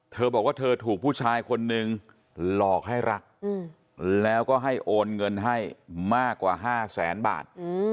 เธอบอกว่าเธอถูกผู้ชายคนนึงหลอกให้รักแล้วก็ให้โอนเงินให้มากกว่า๕แสนบาท